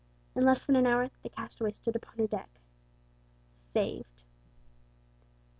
In less than an hour the castaways stood upon her deck saved.